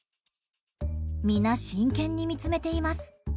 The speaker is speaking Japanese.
皆、真剣に見つめています。